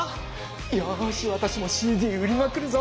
よしわたしもＣＤ売りまくるぞ。